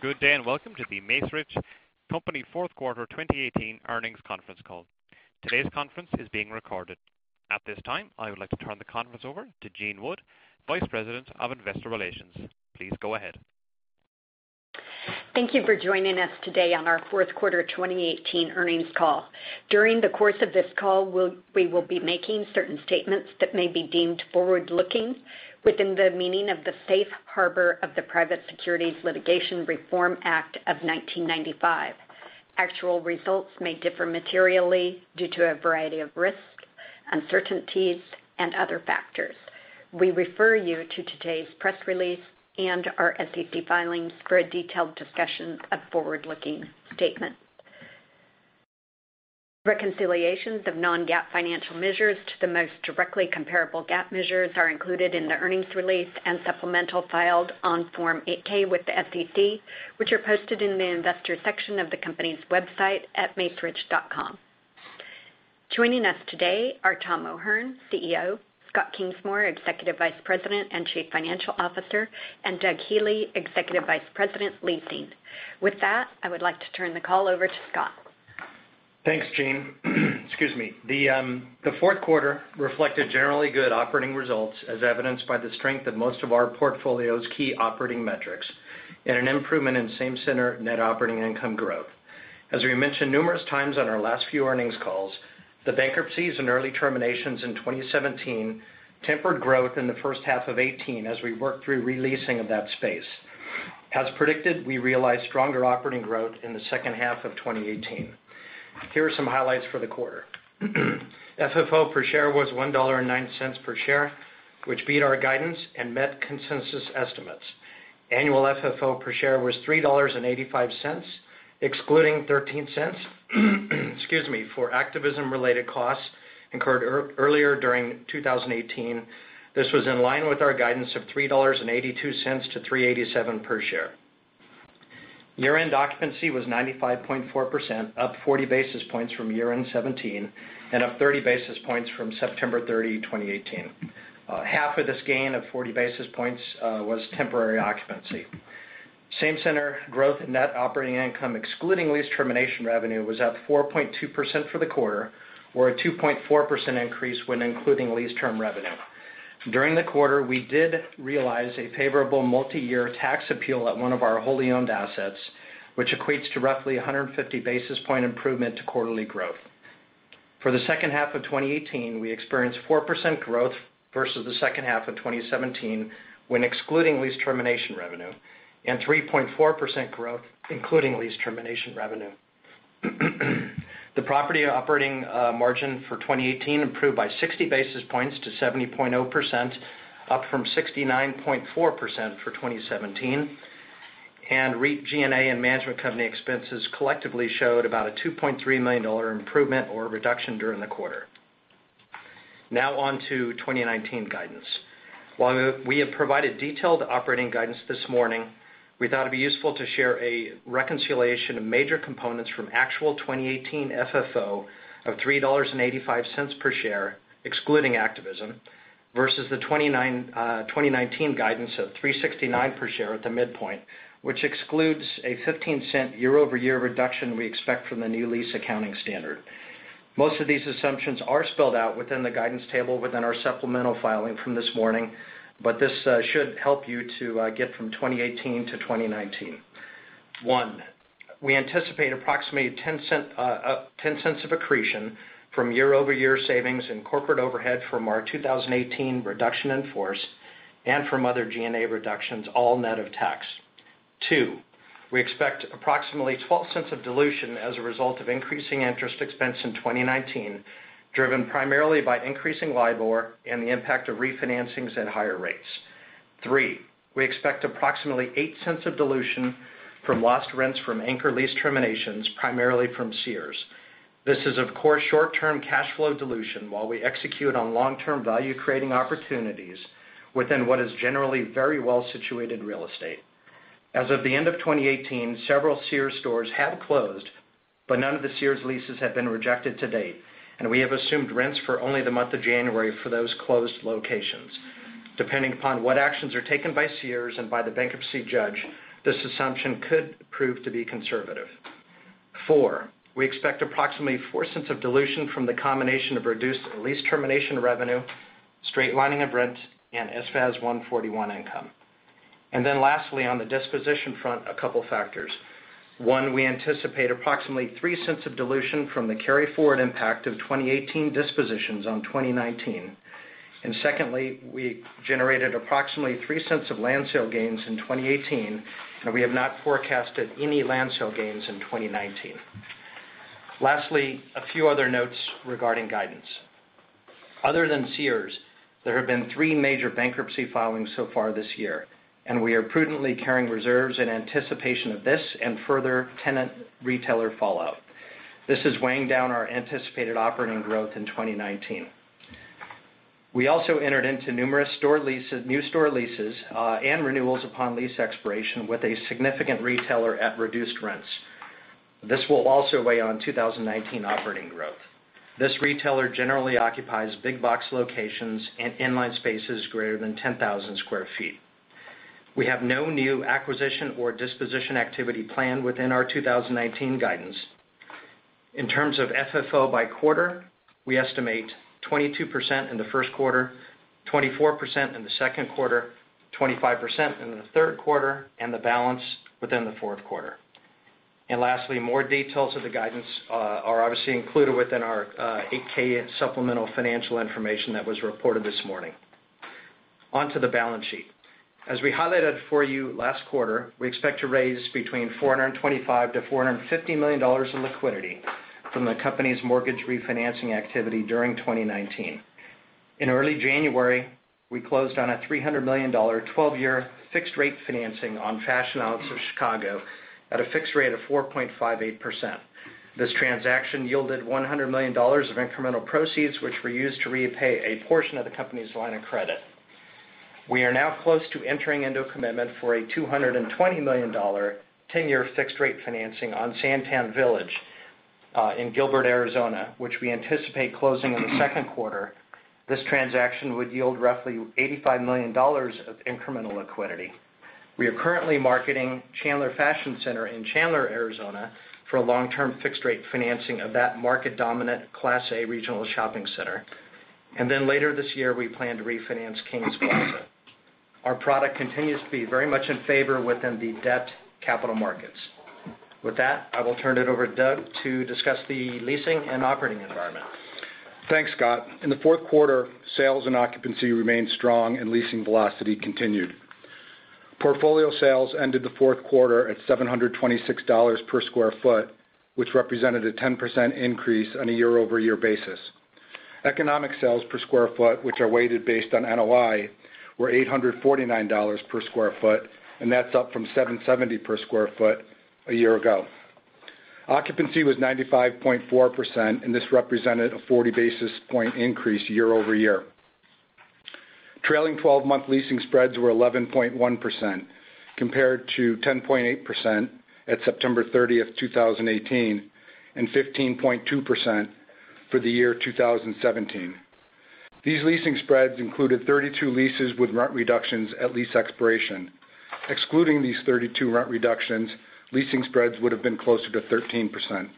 Good day. Welcome to The Macerich Company Fourth Quarter 2018 Earnings Conference Call. Today's conference is being recorded. At this time, I would like to turn the conference over to Jean Wood, Vice President of Investor Relations. Please go ahead. Thank you for joining us today on our fourth quarter 2018 earnings call. During the course of this call, we will be making certain statements that may be deemed forward-looking within the meaning of the safe harbor of the Private Securities Litigation Reform Act of 1995. Actual results may differ materially due to a variety of risks, uncertainties, and other factors. We refer you to today's press release and our SEC filings for a detailed discussion of forward-looking statements. Reconciliations of non-GAAP financial measures to the most directly comparable GAAP measures are included in the earnings release and supplemental filed on Form 8-K with the SEC, which are posted in the investor section of the company's website at macerich.com. Joining us today are Thomas O'Hern, CEO, Scott Kingsmore, Executive Vice President and Chief Financial Officer, and Doug Healey, Executive Vice President, Leasing. With that, I would like to turn the call over to Scott. Thanks, Jean. Excuse me. The fourth quarter reflected generally good operating results as evidenced by the strength of most of our portfolio's key operating metrics. An improvement in same-center net operating income growth. As we mentioned numerous times on our last few earnings calls, the bankruptcies and early terminations in 2017 tempered growth in the first half of 2018 as we worked through re-leasing of that space. As predicted, we realized stronger operating growth in the second half of 2018. Here are some highlights for the quarter. FFO per share was $1.09 per share, which beat our guidance and met consensus estimates. Annual FFO per share was $3.85, excluding $0.13, excuse me, for activism-related costs incurred earlier during 2018. This was in line with our guidance of $3.82-$3.87 per share. Year-end occupancy was 95.4%, up 40 basis points from year-end 2017, and up 30 basis points from September 30, 2018. Half of this gain of 40 basis points was temporary occupancy. Same-center growth in net operating income excluding lease termination revenue was up 4.2% for the quarter, or a 2.4% increase when including lease term revenue. During the quarter, we did realize a favorable multi-year tax appeal at one of our wholly-owned assets, which equates to roughly 150 basis point improvement to quarterly growth. For the second half of 2018, we experienced 4% growth versus the second half of 2017 when excluding lease termination revenue, and 3.4% growth including lease termination revenue. The property operating margin for 2018 improved by 60 basis points to 70.0%, up from 69.4% for 2017, and REIT G&A and management company expenses collectively showed about a $2.3 million improvement or reduction during the quarter. Now on to 2019 guidance. While we have provided detailed operating guidance this morning, we thought it'd be useful to share a reconciliation of major components from actual 2018 FFO of $3.85 per share, excluding activism, versus the 2019 guidance of $3.69 per share at the midpoint, which excludes a $0.15 year-over-year reduction we expect from the new lease accounting standard. Most of these assumptions are spelled out within the guidance table within our supplemental filing from this morning, but this should help you to get from 2018 to 2019. One, we anticipate approximately $0.10 of accretion from year-over-year savings and corporate overhead from our 2018 reduction in force and from other G&A reductions, all net of tax. Two, we expect approximately $0.12 of dilution as a result of increasing interest expense in 2019, driven primarily by increasing LIBOR and the impact of refinancings at higher rates. Three, we expect approximately $0.08 of dilution from lost rents from anchor lease terminations, primarily from Sears. This is, of course, short-term cash flow dilution while we execute on long-term value-creating opportunities within what is generally very well-situated real estate. As of the end of 2018, several Sears stores have closed, but none of the Sears leases have been rejected to date. We have assumed rents for only the month of January for those closed locations. Depending upon what actions are taken by Sears and by the bankruptcy judge, this assumption could prove to be conservative. Four, we expect approximately $0.04 of dilution from the combination of reduced lease termination revenue, straight lining of rent, and FAS 141 income. Lastly, on the disposition front, a couple factors. One, we anticipate approximately $0.03 of dilution from the carry-forward impact of 2018 dispositions on 2019. Secondly, we generated approximately $0.03 of land sale gains in 2018, and we have not forecasted any land sale gains in 2019. Lastly, a few other notes regarding guidance. Other than Sears, there have been three major bankruptcy filings so far this year, and we are prudently carrying reserves in anticipation of this and further tenant retailer fallout. This is weighing down our anticipated operating growth in 2019. We also entered into numerous new store leases, and renewals upon lease expiration with a significant retailer at reduced rents. This will also weigh on 2019 operating growth. This retailer generally occupies big box locations and inline spaces greater than 10,000 square feet. We have no new acquisition or disposition activity planned within our 2019 guidance. In terms of FFO by quarter, we estimate 22% in the first quarter, 24% in the second quarter, 25% in the third quarter, and the balance within the fourth quarter. Lastly, more details of the guidance are obviously included within our 8-K supplemental financial information that was reported this morning. Onto the balance sheet. As we highlighted for you last quarter, we expect to raise between $425 million-$450 million in liquidity from the company's mortgage refinancing activity during 2019. In early January, we closed on a $300 million 12-year fixed rate financing on Fashion Outlets of Chicago at a fixed rate of 4.58%. This transaction yielded $100 million of incremental proceeds, which were used to repay a portion of the company's line of credit. We are now close to entering into a commitment for a $220 million 10-year fixed rate financing on SanTan Village in Gilbert, Arizona, which we anticipate closing in the second quarter. This transaction would yield roughly $85 million of incremental liquidity. We are currently marketing Chandler Fashion Center in Chandler, Arizona for a long-term fixed rate financing of that market dominant Class A regional shopping center. Later this year, we plan to refinance Kings Plaza. Our product continues to be very much in favor within the debt capital markets. With that, I will turn it over to Doug to discuss the leasing and operating environment. Thanks, Scott. In the fourth quarter, sales and occupancy remained strong and leasing velocity continued. Portfolio sales ended the fourth quarter at $726 per square foot, which represented a 10% increase on a year-over-year basis. Economic sales per square foot, which are weighted based on NOI, were $849 per square foot, and that's up from $770 per square foot a year ago. Occupancy was 95.4%, and this represented a 40 basis point increase year-over-year. Trailing 12-month leasing spreads were 11.1%, compared to 10.8% at September 30th, 2018, and 15.2% for the year 2017. These leasing spreads included 32 leases with rent reductions at lease expiration. Excluding these 32 rent reductions, leasing spreads would have been closer to 13%.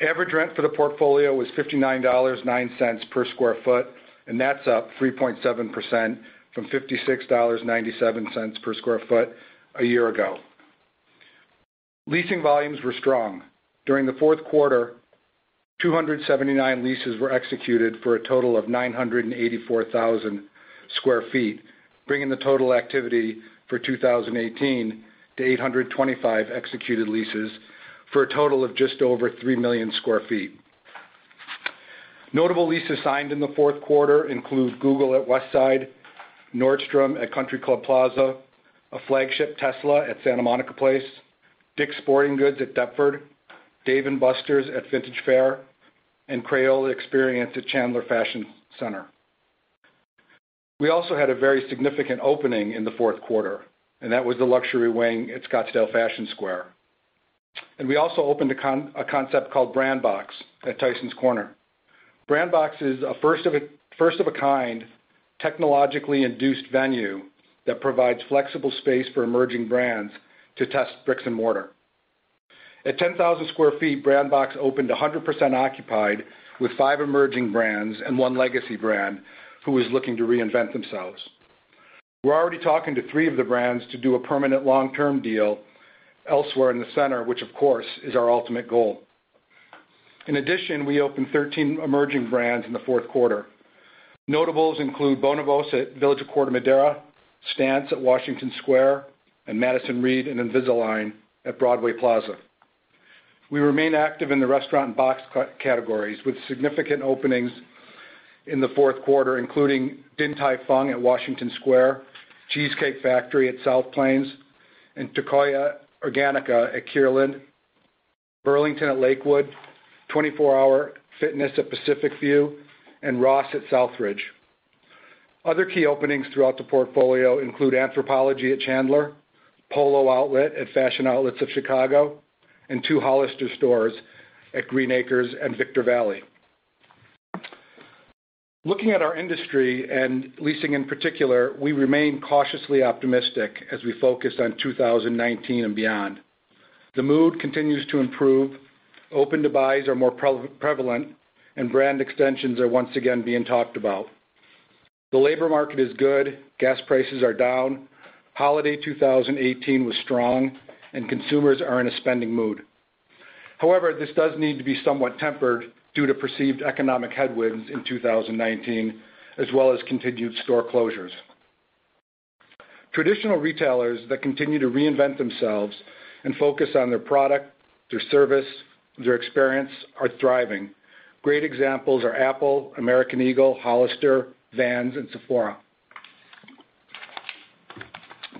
Average rent for the portfolio was $59.09 per square foot, and that's up 3.7% from $56.97 per square foot a year ago. Leasing volumes were strong. During the fourth quarter, 279 leases were executed for a total of 984,000 square feet, bringing the total activity for 2018 to 825 executed leases for a total of just over three million square feet. Notable leases signed in the fourth quarter include Google at Westside, Nordstrom at Country Club Plaza, a flagship Tesla at Santa Monica Place, Dick's Sporting Goods at Deptford, Dave & Buster's at Vintage Fair, and Crayola Experience at Chandler Fashion Center. We also had a very significant opening in the fourth quarter, and that was the luxury wing at Scottsdale Fashion Square. We also opened a concept called BrandBox at Tysons Corner. BrandBox is a first of a kind, technologically induced venue that provides flexible space for emerging brands to test bricks and mortar. At 10,000 square feet, BrandBox opened 100% occupied with five emerging brands and one legacy brand who is looking to reinvent themselves. We're already talking to three of the brands to do a permanent long-term deal elsewhere in the center, which of course is our ultimate goal. In addition, we opened 13 emerging brands in the fourth quarter. Notables include Bonobos at Village of Corte Madera, Stance at Washington Square, and Madison Reed and Invisalign at Broadway Plaza. We remain active in the restaurant and box categories with significant openings in the fourth quarter, including Din Tai Fung at Washington Square, The Cheesecake Factory at South Plains, and Tocaya Organica at Kierland, Burlington at Lakewood, 24 Hour Fitness at Pacific View, and Ross at Southridge. Other key openings throughout the portfolio include Anthropologie at Chandler, Polo Outlet at Fashion Outlets of Chicago, and two Hollister stores at Green Acres and Victor Valley. Looking at our industry and leasing in particular, we remain cautiously optimistic as we focus on 2019 and beyond. The mood continues to improve, open to buys are more prevalent, and brand extensions are once again being talked about. The labor market is good, gas prices are down, holiday 2018 was strong, and consumers are in a spending mood. This does need to be somewhat tempered due to perceived economic headwinds in 2019, as well as continued store closures. Traditional retailers that continue to reinvent themselves and focus on their product, their service, their experience are thriving. Great examples are Apple, American Eagle, Hollister, Vans, and Sephora.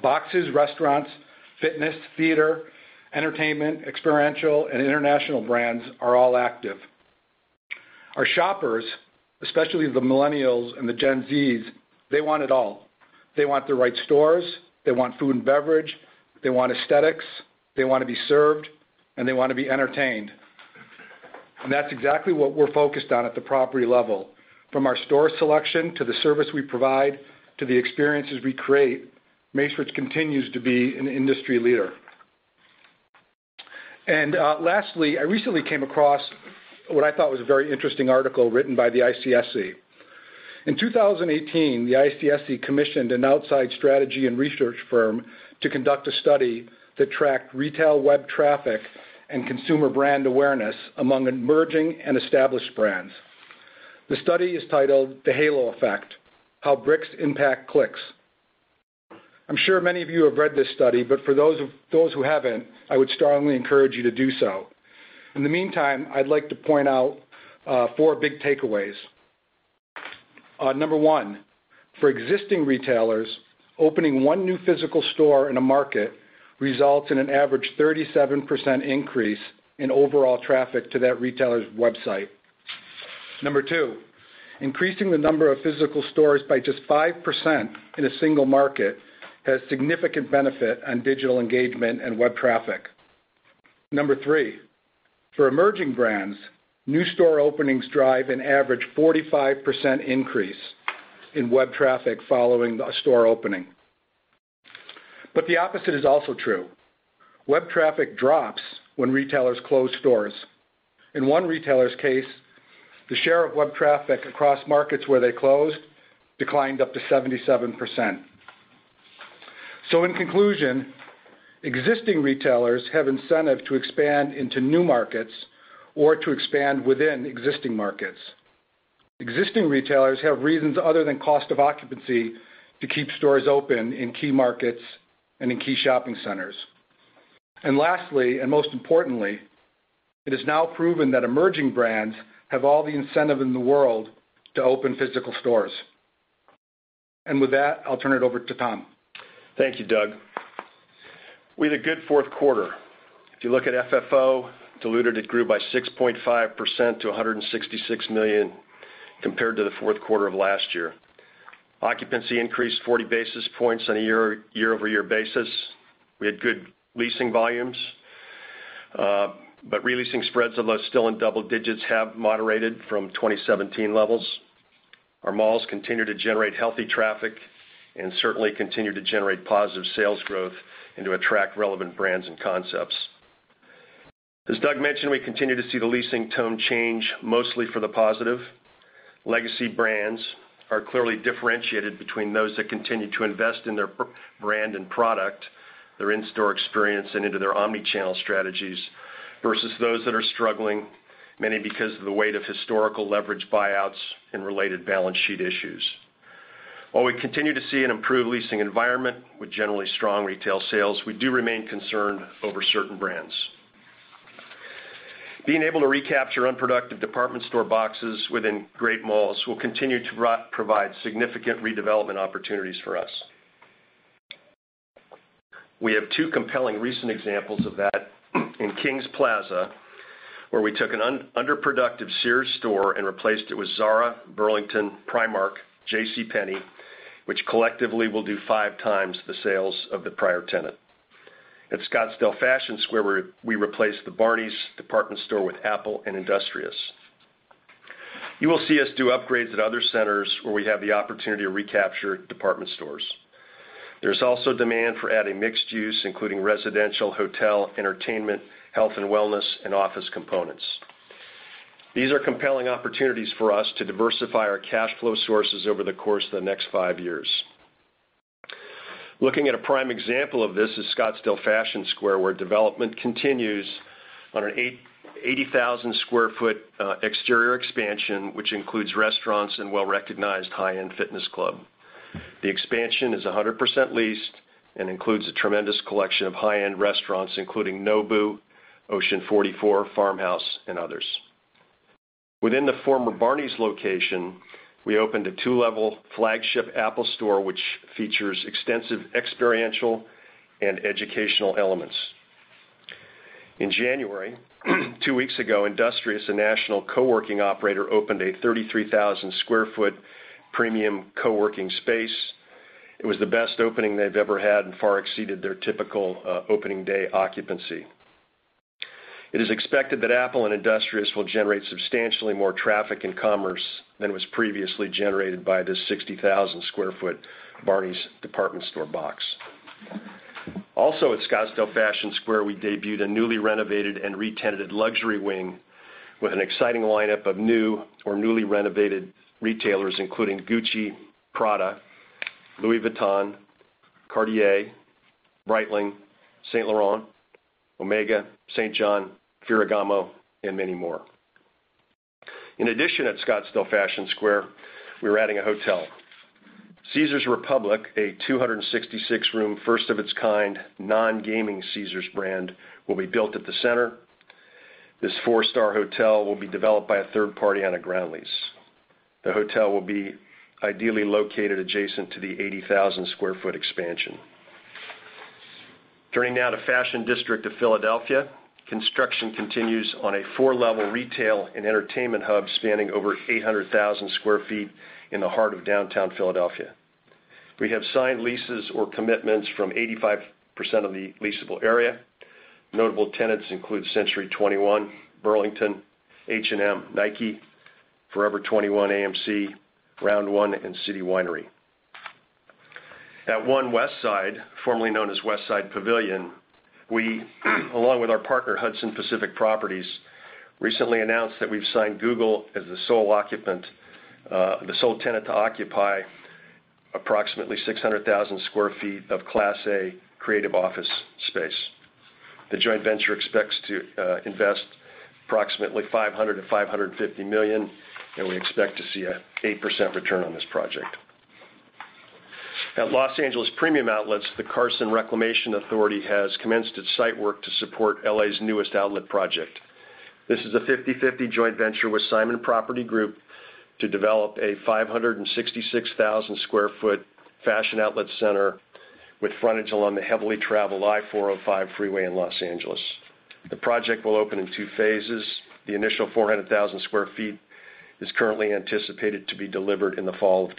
Boxes, restaurants, fitness, theater, entertainment, experiential, and international brands are all active. Our shoppers, especially the millennials and the Gen Zs, they want it all. They want the right stores, they want food and beverage, they want aesthetics, they want to be served, and they want to be entertained. That's exactly what we're focused on at the property level. From our store selection, to the service we provide, to the experiences we create, Macerich continues to be an industry leader. Lastly, I recently came across what I thought was a very interesting article written by the ICSC. In 2018, the ICSC commissioned an outside strategy and research firm to conduct a study that tracked retail web traffic and consumer brand awareness among emerging and established brands. The study is titled "The Halo Effect: How Bricks Impact Clicks." I'm sure many of you have read this study, but for those who haven't, I would strongly encourage you to do so. In the meantime, I'd like to point out four big takeaways. Number one, for existing retailers, opening one new physical store in a market results in an average 37% increase in overall traffic to that retailer's website. Number two, increasing the number of physical stores by just 5% in a single market has significant benefit on digital engagement and web traffic. Number three, for emerging brands, new store openings drive an average 45% increase in web traffic following a store opening. The opposite is also true. Web traffic drops when retailers close stores. In one retailer's case, the share of web traffic across markets where they closed declined up to 77%. In conclusion, existing retailers have incentive to expand into new markets or to expand within existing markets. Existing retailers have reasons other than cost of occupancy to keep stores open in key markets and in key shopping centers. Lastly, and most importantly, it is now proven that emerging brands have all the incentive in the world to open physical stores. With that, I'll turn it over to Tom. Thank you, Doug. We had a good fourth quarter. If you look at FFO, diluted, it grew by 6.5% to $166 million compared to the fourth quarter of last year. Occupancy increased 40 basis points on a year-over-year basis. We had good leasing volumes. Re-leasing spreads, although still in double digits, have moderated from 2017 levels. Our malls continue to generate healthy traffic and certainly continue to generate positive sales growth and to attract relevant brands and concepts. As Doug Healey mentioned, we continue to see the leasing tone change mostly for the positive. Legacy brands are clearly differentiated between those that continue to invest in their brand and product, their in-store experience, and into their omni-channel strategies, versus those that are struggling, mainly because of the weight of historical leverage buyouts and related balance sheet issues. While we continue to see an improved leasing environment with generally strong retail sales, we do remain concerned over certain brands. Being able to recapture unproductive department store boxes within great malls will continue to provide significant redevelopment opportunities for us. We have two compelling recent examples of that in Kings Plaza, where we took an underproductive Sears store and replaced it with Zara, Burlington, Primark, JCPenney, which collectively will do five times the sales of the prior tenant. At Scottsdale Fashion Square, we replaced the Barneys department store with Apple and Industrious. You will see us do upgrades at other centers where we have the opportunity to recapture department stores. There's also demand for adding mixed use, including residential, hotel, entertainment, health and wellness, and office components. These are compelling opportunities for us to diversify our cash flow sources over the course of the next five years. Looking at a prime example of this is Scottsdale Fashion Square, where development continues on an 80,000 sq ft exterior expansion, which includes restaurants and a well-recognized high-end fitness club. The expansion is 100% leased and includes a tremendous collection of high-end restaurants, including Nobu, Ocean 44, Farmhouse, and others. Within the former Barneys location, we opened a two-level flagship Apple store, which features extensive experiential and educational elements. In January, two weeks ago, Industrious, a national co-working operator, opened a 33,000 sq ft premium co-working space. It was the best opening they've ever had and far exceeded their typical opening day occupancy. It is expected that Apple and Industrious will generate substantially more traffic and commerce than was previously generated by the 60,000 sq ft Barneys department store box. Also at Scottsdale Fashion Square, we debuted a newly renovated and re-tenanted luxury wing with an exciting lineup of new or newly renovated retailers, including Gucci, Prada, Louis Vuitton, Cartier, Breitling, Saint Laurent, Omega, St. John, Ferragamo, and many more. In addition at Scottsdale Fashion Square, we are adding a hotel. Caesars Republic, a 266-room, first of its kind, non-gaming Caesars brand, will be built at the center. This 4-star hotel will be developed by a third party on a ground lease. The hotel will be ideally located adjacent to the 80,000 sq ft expansion. Turning now to Fashion District of Philadelphia. Construction continues on a 4-level retail and entertainment hub spanning over 800,000 sq ft in the heart of downtown Philadelphia. We have signed leases or commitments from 85% of the leasable area. Notable tenants include Century 21, Burlington, H&M, Nike, Forever 21, AMC, Round One, and City Winery. At One Westside, formerly known as Westside Pavilion, we, along with our partner Hudson Pacific Properties, recently announced that we have signed Google as the sole tenant to occupy approximately 600,000 sq ft of Class A creative office space. The joint venture expects to invest approximately $500 million-$550 million, and we expect to see an 8% return on this project. At Los Angeles Premium Outlets, the Carson Reclamation Authority has commenced its site work to support L.A.'s newest outlet project. This is a 50/50 joint venture with Simon Property Group to develop a 566,000 sq ft fashion outlet center with frontage along the heavily traveled I-405 freeway in Los Angeles. The project will open in two phases. The initial 400,000 sq ft is currently anticipated to be delivered in the fall of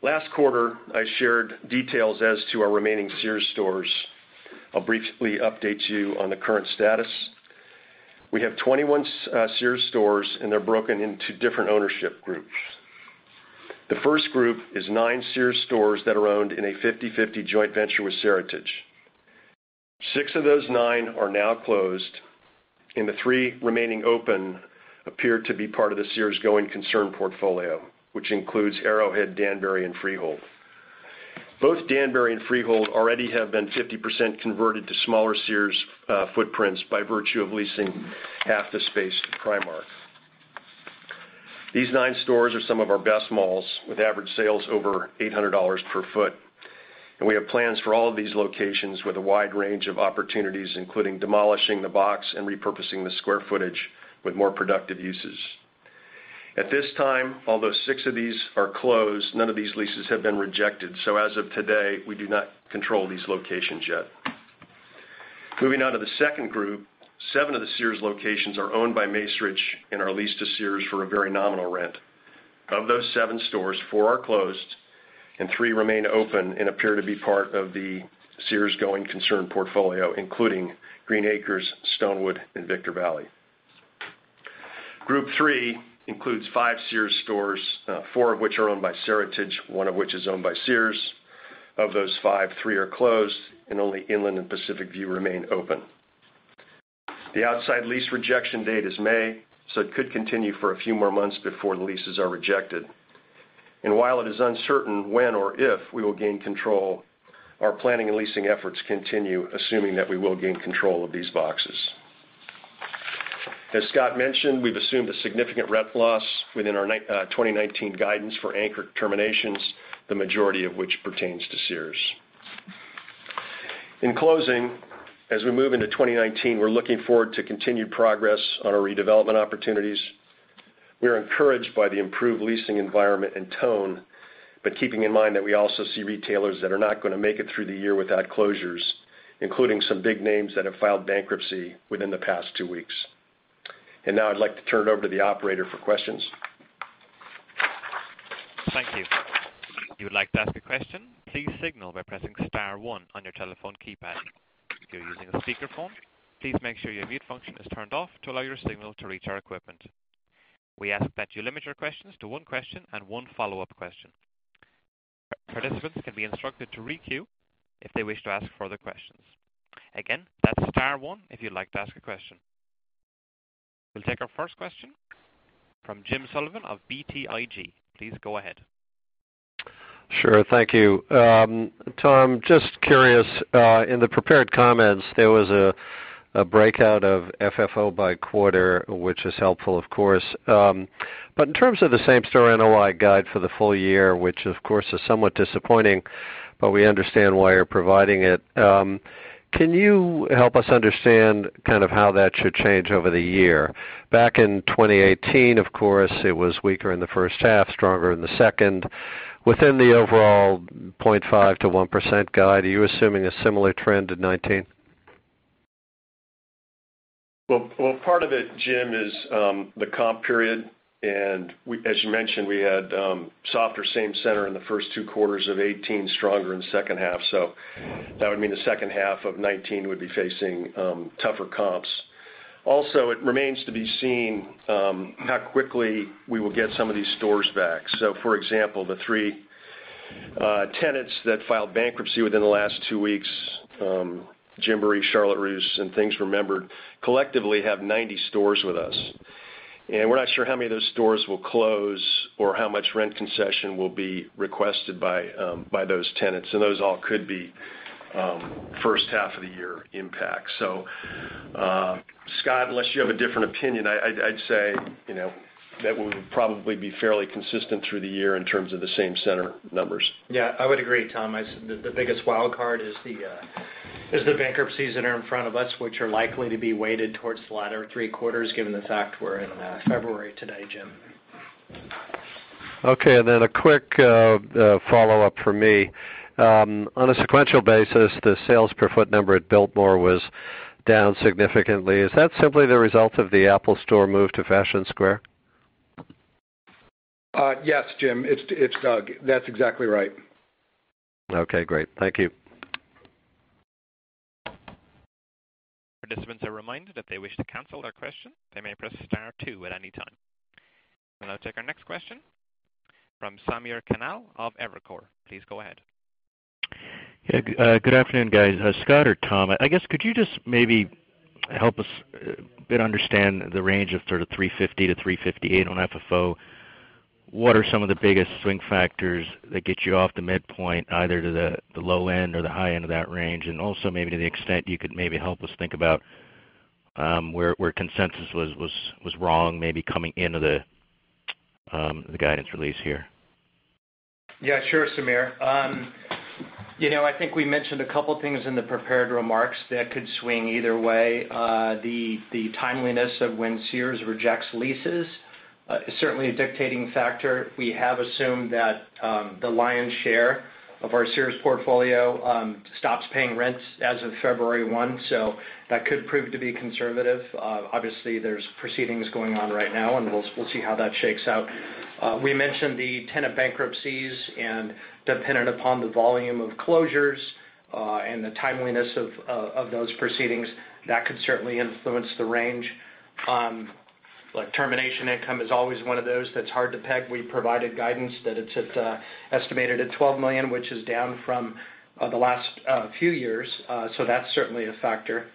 2021. Last quarter, I shared details as to our remaining Sears stores. I will briefly update you on the current status. We have 21 Sears stores, and they are broken into different ownership groups. The first group is nine Sears stores that are owned in a 50/50 joint venture with Seritage. Six of those nine are now closed, and the three remaining open appear to be part of the Sears going concern portfolio, which includes Arrowhead, Danbury, and Freehold. Both Danbury and Freehold already have been 50% converted to smaller Sears footprints by virtue of leasing half the space to Primark. These nine stores are some of our best malls, with average sales over $800 per foot, and we have plans for all of these locations with a wide range of opportunities, including demolishing the box and repurposing the square footage with more productive uses. At this time, although six of these are closed, none of these leases have been rejected, so as of today, we do not control these locations yet. Moving on to the second group, seven of the Sears locations are owned by Macerich and are leased to Sears for a very nominal rent. Of those seven stores, four are closed, and three remain open and appear to be part of the Sears going concern portfolio, including Green Acres, Stonewood, and Victor Valley. Group three includes five Sears stores, four of which are owned by Seritage, one of which is owned by Sears. Of those five, three are closed, and only Inland and Pacific View remain open. The outside lease rejection date is May, so it could continue for a few more months before the leases are rejected. While it is uncertain when or if we will gain control, our planning and leasing efforts continue, assuming that we will gain control of these boxes. As Scott mentioned, we've assumed a significant rent loss within our 2019 guidance for anchor terminations, the majority of which pertains to Sears. In closing, as we move into 2019, we're looking forward to continued progress on our redevelopment opportunities. We are encouraged by the improved leasing environment and tone, but keeping in mind that we also see retailers that are not going to make it through the year without closures, including some big names that have filed bankruptcy within the past two weeks. Now I'd like to turn it over to the operator for questions. Thank you. If you would like to ask a question, please signal by pressing star one on your telephone keypad. If you're using a speakerphone, please make sure your mute function is turned off to allow your signal to reach our equipment. We ask that you limit your questions to one question and one follow-up question. Participants can be instructed to re-queue if they wish to ask further questions. Again, that's star one if you'd like to ask a question. We'll take our first question from James Sullivan of BTIG. Please go ahead. Sure. Thank you. Tom, just curious, in the prepared comments, there was a breakout of FFO by quarter, which is helpful, of course. In terms of the same-store NOI guide for the full year, which, of course, is somewhat disappointing, but we understand why you're providing it, can you help us understand kind of how that should change over the year? Back in 2018, of course, it was weaker in the first half, stronger in the second. Within the overall 0.5%-1% guide, are you assuming a similar trend in 2019? Well, part of it, Jim, is the comp period, and as you mentioned, we had softer same center in the first two quarters of 2018, stronger in the second half. That would mean the second half of 2019 would be facing tougher comps. Also, it remains to be seen how quickly we will get some of these stores back. For example, the three tenants that filed bankruptcy within the last two weeks, Gymboree, Charlotte Russe, and Things Remembered, collectively have 90 stores with us. We're not sure how many of those stores will close or how much rent concession will be requested by those tenants. Those all could be first half of the year impact. Scott, unless you have a different opinion, I'd say that we would probably be fairly consistent through the year in terms of the same center numbers. Yeah, I would agree, Tom. The biggest wild card is the bankruptcies that are in front of us, which are likely to be weighted towards the latter three quarters, given the fact we're in February today, Jim. Okay. A quick follow-up from me. On a sequential basis, the sales per foot number at Biltmore was down significantly. Is that simply the result of the Apple Store move to Fashion Square? Yes, Jim. That's exactly right. Okay, great. Thank you. Participants are reminded if they wish to cancel their question, they may press star two at any time. We'll now take our next question from Samir Khanal of Evercore. Please go ahead. Yeah, good afternoon, guys. Scott or Tom, could you just maybe help us a bit understand the range of sort of $3.50-$3.58 on FFO? What are some of the biggest swing factors that get you off the midpoint, either to the low end or the high end of that range? Also maybe to the extent you could maybe help us think about where consensus was wrong, maybe coming into the guidance release here. Yeah, sure, Samir. I think we mentioned a couple things in the prepared remarks that could swing either way. The timeliness of when Sears rejects leases is certainly a dictating factor. We have assumed that the lion's share of our Sears portfolio stops paying rents as of February 1, that could prove to be conservative. Obviously, there's proceedings going on right now, we'll see how that shakes out. We mentioned the tenant bankruptcies dependent upon the volume of closures, the timeliness of those proceedings, that could certainly influence the range. Termination income is always one of those that's hard to peg. We provided guidance that it's estimated at $12 million, which is down from the last few years. That's certainly a factor.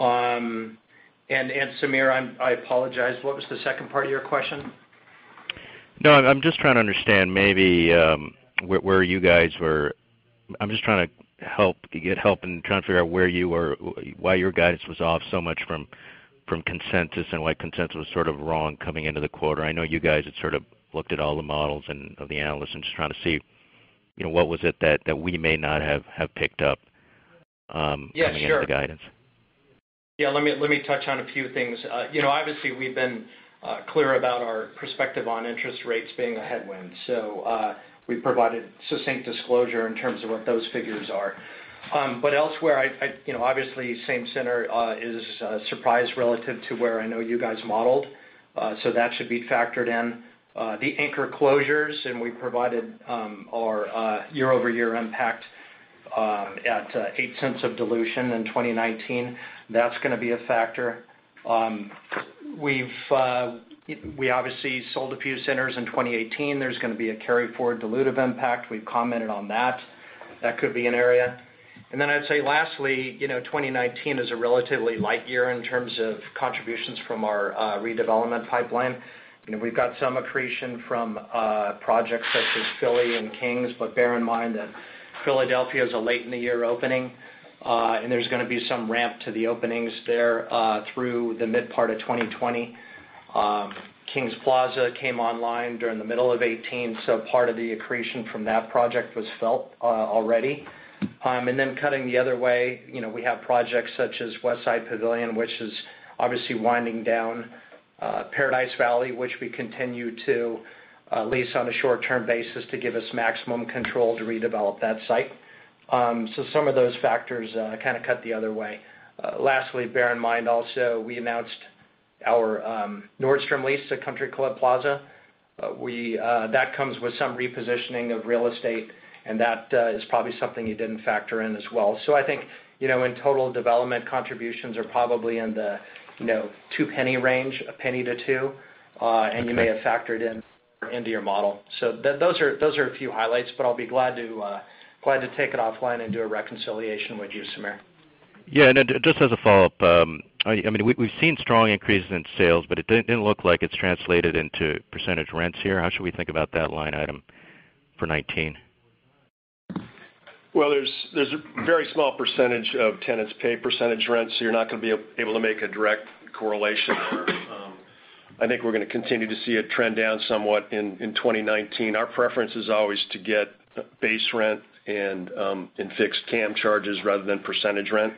Samir, I apologize, what was the second part of your question? No, I'm just trying to get help in trying to figure out why your guidance was off so much from consensus, why consensus was sort of wrong coming into the quarter. I know you guys had sort of looked at all the models of the analysts. I'm just trying to see, what was it that we may not have picked up? Yeah, sure coming into the guidance. Let me touch on a few things. Obviously, we've been clear about our perspective on interest rates being a headwind. We provided succinct disclosure in terms of what those figures are. Elsewhere, obviously, same center is a surprise relative to where I know you guys modeled. That should be factored in. The anchor closures, we provided our year-over-year impact at $0.08 of dilution in 2019. That's going to be a factor. We obviously sold a few centers in 2018. There's going to be a carry-forward dilutive impact. We've commented on that. That could be an area. Lastly, 2019 is a relatively light year in terms of contributions from our redevelopment pipeline. We've got some accretion from projects such as Philly and Kings, but bear in mind that Philadelphia is a late in the year opening. There's going to be some ramp to the openings there through the mid part of 2020. Kings Plaza came online during the middle of 2018. Part of the accretion from that project was felt already. Cutting the other way, we have projects such as Westside Pavilion, which is obviously winding down Paradise Valley, which we continue to lease on a short-term basis to give us maximum control to redevelop that site. Some of those factors kind of cut the other way. Lastly, bear in mind also, we announced our Nordstrom lease to Country Club Plaza. That comes with some repositioning of real estate, that is probably something you didn't factor in as well. I think, in total, development contributions are probably in the $0.02 range, $0.01 to $0.02. Okay. You may have factored into your model. Those are a few highlights, but I'll be glad to take it offline and do a reconciliation with you, Samir. Just as a follow-up, we've seen strong increases in sales, but it didn't look like it's translated into percentage rents here. How should we think about that line item for 2019? There's a very small percentage of tenants pay percentage rent, so you're not going to be able to make a direct correlation there. I think we're going to continue to see it trend down somewhat in 2019. Our preference is always to get base rent and fixed CAM charges rather than percentage rent.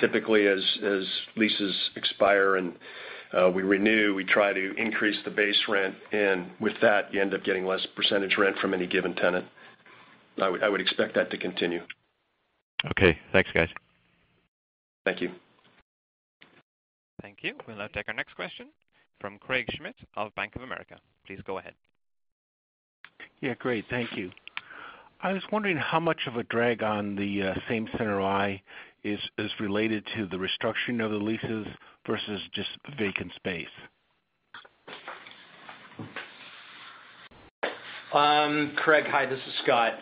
Typically, as leases expire and we renew, we try to increase the base rent, and with that, you end up getting less percentage rent from any given tenant. I would expect that to continue. Okay, thanks, guys. Thank you. Thank you. We'll now take our next question from Craig Schmidt of Bank of America. Please go ahead. Great. Thank you. I was wondering how much of a drag on the same center NOI is related to the restructuring of the leases versus just vacant space. Craig, hi, this is Scott.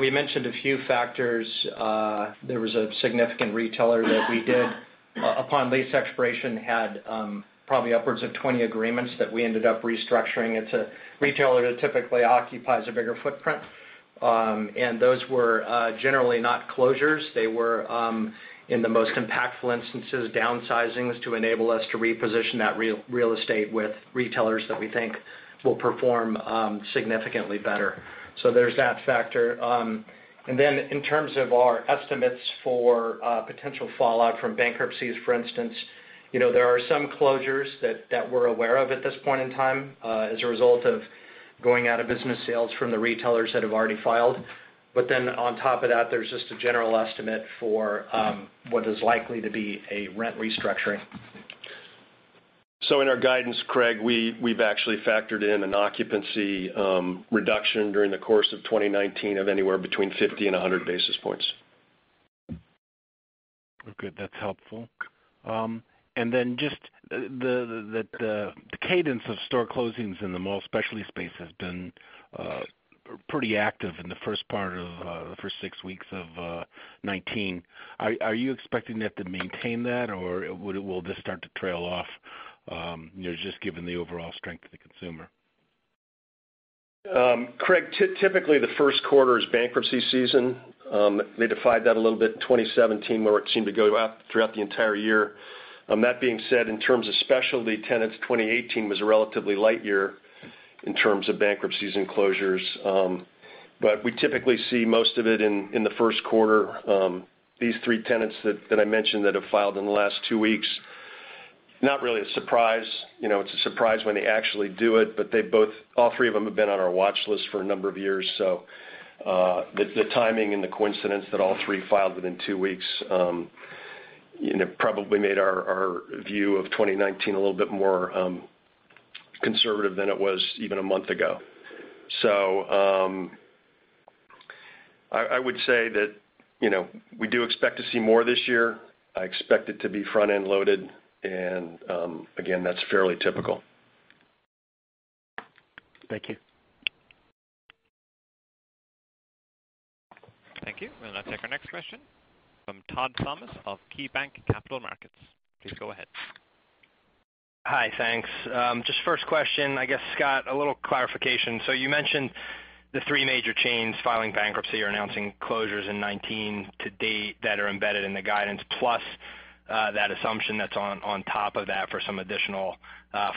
We mentioned a few factors. There was a significant retailer that we did upon lease expiration, had probably upwards of 20 agreements that we ended up restructuring. It's a retailer that typically occupies a bigger footprint. Those were generally not closures. They were, in the most impactful instances, downsizings to enable us to reposition that real estate with retailers that we think will perform significantly better. There's that factor. In terms of our estimates for potential fallout from bankruptcies, for instance, there are some closures that we're aware of at this point in time, as a result of going out of business sales from the retailers that have already filed. On top of that, there's just a general estimate for what is likely to be a rent restructuring. In our guidance, Craig, we've actually factored in an occupancy reduction during the course of 2019 of anywhere between 50 and 100 basis points. Well, good. That's helpful. Then just the cadence of store closings in the mall specialty space has been pretty active in the first part of the first six weeks of 2019. Are you expecting that to maintain that, or will this start to trail off, just given the overall strength of the consumer? Craig, typically the first quarter is bankruptcy season. They defied that a little bit in 2017 where it seemed to go up throughout the entire year. That being said, in terms of specialty tenants, 2018 was a relatively light year in terms of bankruptcies and closures. We typically see most of it in the first quarter. These three tenants that I mentioned that have filed in the last two weeks, not really a surprise. It's a surprise when they actually do it, but all three of them have been on our watch list for a number of years. The timing and the coincidence that all three filed within two weeks, probably made our view of 2019 a little bit more conservative than it was even a month ago. I would say that, we do expect to see more this year. I expect it to be front-end loaded, again, that's fairly typical. Thank you. Thank you. We'll now take our next question from Todd Thomas of KeyBanc Capital Markets. Please go ahead. Hi. Thanks. Just first question, I guess, Scott, a little clarification. You mentioned the three major chains filing bankruptcy or announcing closures in 2019 to date that are embedded in the guidance, plus that assumption that's on top of that for some additional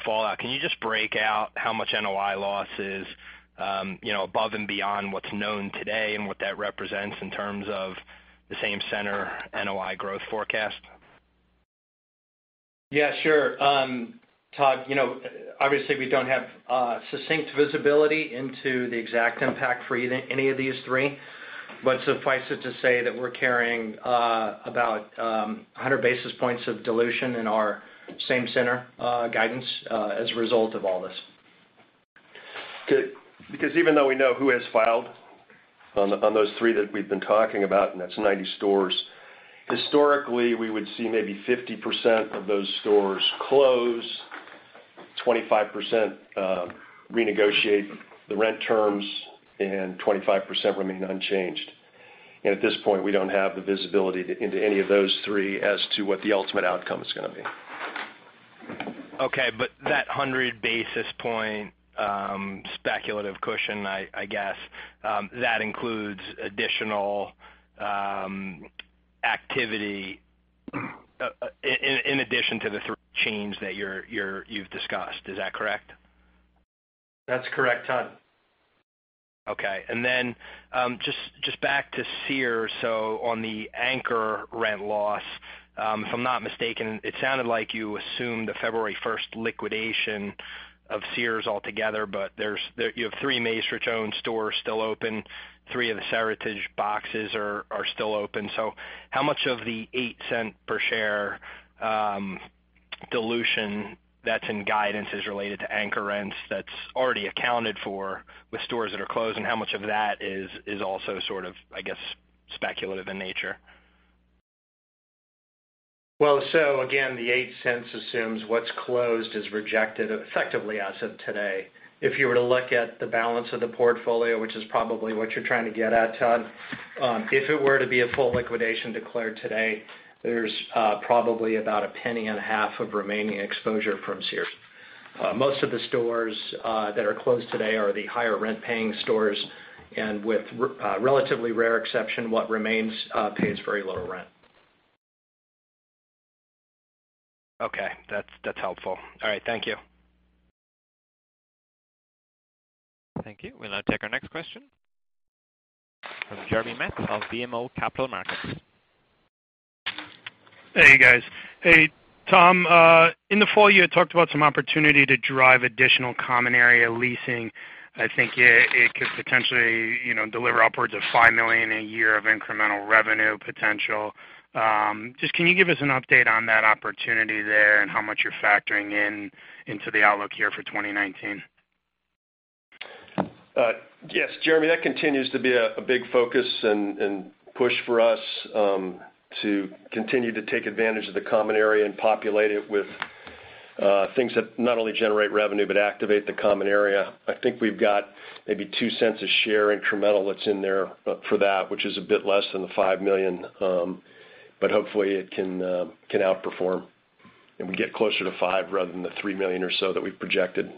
fallout. Can you just break out how much NOI loss is above and beyond what's known today and what that represents in terms of the same center NOI growth forecast? Yeah, sure. Todd, obviously we don't have succinct visibility into the exact impact for any of these three. Suffice it to say that we're carrying about 100 basis points of dilution in our same center guidance as a result of all this. Even though we know who has filed on those three that we've been talking about, and that's 90 stores, historically, we would see maybe 50% of those stores close, 25% renegotiate the rent terms, and 25% remain unchanged. At this point, we don't have the visibility into any of those three as to what the ultimate outcome is going to be. Okay. That 100 basis point speculative cushion, I guess, that includes additional activity in addition to the three chains that you've discussed. Is that correct? That's correct, Todd. Okay. Then, just back to Sears. On the anchor rent loss, if I'm not mistaken, it sounded like you assumed the February 1st liquidation of Sears altogether. You have 3 Macerich owned stores still open, 3 of the Seritage boxes are still open. How much of the $0.08 per share dilution that's in guidance is related to anchor rents that's already accounted for with stores that are closed, and how much of that is also sort of, I guess, speculative in nature? Again, the $0.08 assumes what's closed is rejected effectively as of today. If you were to look at the balance of the portfolio, which is probably what you're trying to get at, Todd, if it were to be a full liquidation declared today, there's probably about $0.015 of remaining exposure from Sears. Most of the stores that are closed today are the higher rent-paying stores, and with relatively rare exception, what remains pays very low rent. Okay. That's helpful. All right. Thank you. Thank you. We'll now take our next question from Jeremy Metz of BMO Capital Markets. Hey, guys. Hey, Tom, in the fall, you had talked about some opportunity to drive additional common area leasing. I think it could potentially deliver upwards of $5 million a year of incremental revenue potential. Just can you give us an update on that opportunity there and how much you're factoring into the outlook here for 2019? Yes, Jeremy, that continues to be a big focus and push for us to continue to take advantage of the common area and populate it with things that not only generate revenue but activate the common area. I think we've got maybe $0.02 a share incremental that's in there for that, which is a bit less than the $5 million. Hopefully it can outperform, and we get closer to $5 million rather than the $3 million or so that we've projected.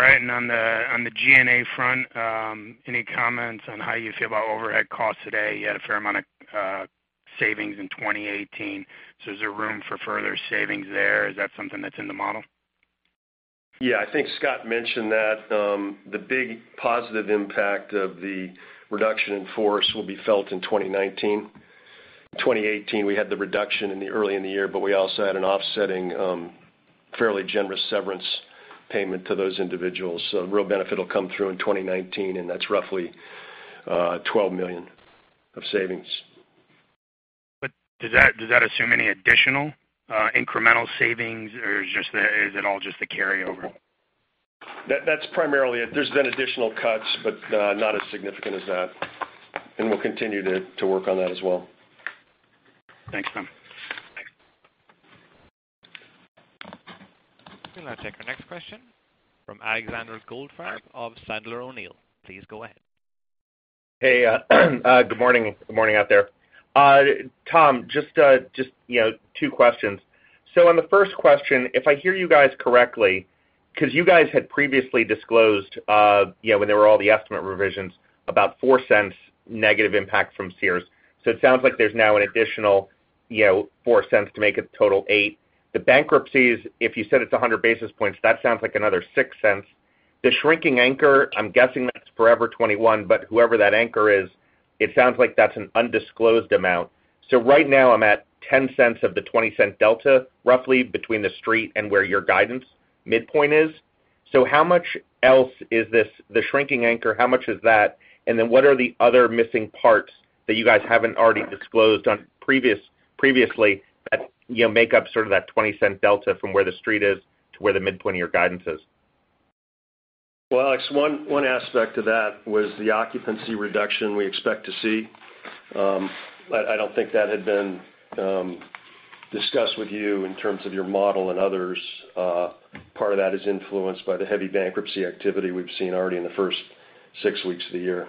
All right. On the G&A front, any comments on how you feel about overhead costs today? You had a fair amount of savings in 2018. Is there room for further savings there? Is that something that's in the model? I think Scott mentioned that. The big positive impact of the reduction in force will be felt in 2019. 2018, we had the reduction early in the year. We also had an offsetting, fairly generous severance payment to those individuals. The real benefit will come through in 2019, and that's roughly $12 million of savings. Does that assume any additional incremental savings, or is it all just a carryover? That's primarily it. There's been additional cuts, but not as significant as that. We'll continue to work on that as well. Thanks, Tom. We'll now take our next question from Alexander Goldfarb of Sandler O'Neill. Please go ahead. Hey. Good morning out there. Tom, just two questions. On the first question, if I hear you guys correctly, because you guys had previously disclosed, when there were all the estimate revisions, about $0.04 negative impact from Sears. It sounds like there's now an additional, $0.04 to make it total $0.08. The bankruptcies, if you said it's 100 basis points, that sounds like another $0.06. The shrinking anchor, I'm guessing that's Forever 21, but whoever that anchor is, it sounds like that's an undisclosed amount. Right now I'm at $0.10 of the $0.20 delta, roughly between the street and where your guidance midpoint is. How much else is this, the shrinking anchor, how much is that? What are the other missing parts that you guys haven't already disclosed on previously that, make up sort of that $0.20 delta from where the Street is to where the midpoint of your guidance is? Well, Alex, one aspect of that was the occupancy reduction we expect to see. I don't think that had been discussed with you in terms of your model and others. Part of that is influenced by the heavy bankruptcy activity we've seen already in the first six weeks of the year.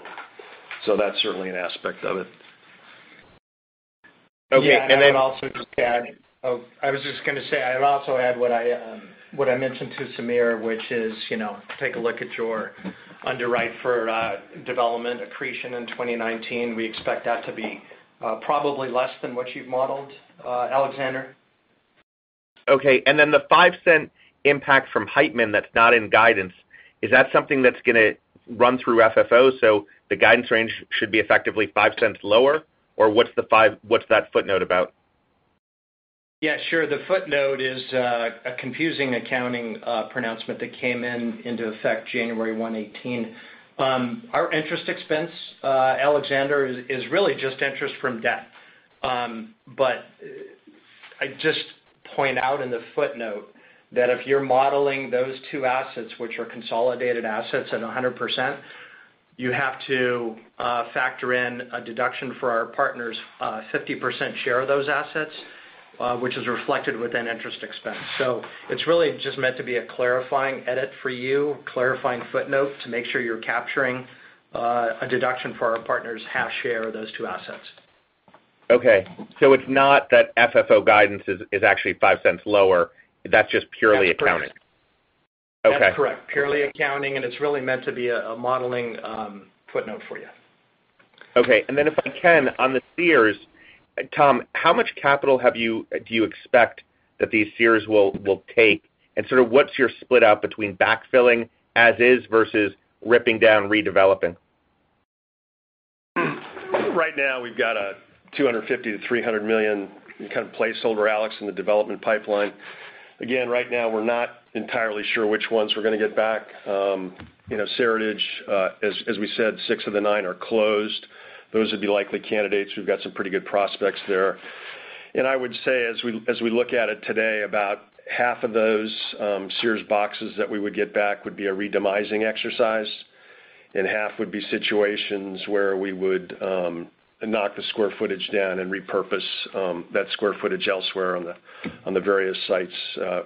That's certainly an aspect of it. Okay. I was just going to say, I would also add what I mentioned to Samir, which is, take a look at your underwrite for development accretion in 2019. We expect that to be probably less than what you've modeled, Alexander. Okay, the $0.05 impact from Heitman that is not in guidance, is that something that is going to run through FFO? The guidance range should be effectively $0.05 lower, or what is that footnote about? Yeah, sure. The footnote is a confusing accounting pronouncement that came into effect January 1, 2018. Our interest expense, Alexander, is really just interest from debt. I just point out in the footnote that if you are modeling those two assets, which are consolidated assets at 100%, you have to factor in a deduction for our partner's 50% share of those assets, which is reflected within interest expense. It is really just meant to be a clarifying edit for you, clarifying footnote to make sure you are capturing a deduction for our partner's half share of those two assets. Okay. It is not that FFO guidance is actually $0.05 lower. That is just purely accounting. That is correct. Okay. That's correct. Purely accounting, and it's really meant to be a modeling footnote for you. Okay. Then if I can, on the Sears, Tom, how much capital do you expect that these Sears will take? Sort of what's your split up between backfilling as is versus ripping down, redeveloping? Right now we've got a $250 million-$300 million kind of placeholder, Alex, in the development pipeline. Again, right now we're not entirely sure which ones we're going to get back. Seritage, as we said, six of the nine are closed. Those would be likely candidates. We've got some pretty good prospects there. I would say as we look at it today, about half of those Sears boxes that we would get back would be a re-demising exercise, and half would be situations where we would knock the square footage down and repurpose that square footage elsewhere on the various sites,